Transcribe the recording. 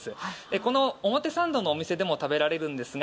この表参道のお店でも食べられるんですが